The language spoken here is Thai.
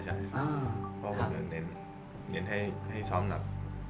ใช่เพราะว่าเป็นเรื่องเน้นเน้นให้ซ้อมหนัก